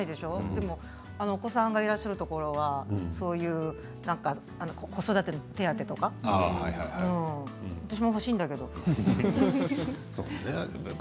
でもお子さんがいらっしゃるところは、そういう子育ての手当とか私も欲しいんだけどって。